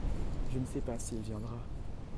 Je ne sais pas s'il viendra.